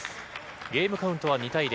ゲームカウントは２対０。